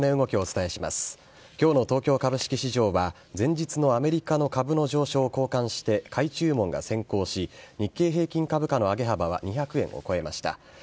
きょうの東京株式市場は、前日のアメリカの株の上昇を好感して買い注文が先行し、日経平均株価の上げ幅は２００円を超えました。